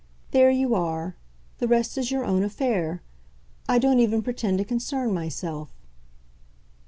There you are the rest is your own affair. I don't even pretend to concern myself